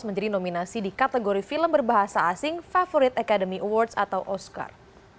menjadi nominasi di kategori film berbahasa asing favorit academy awards atau oscar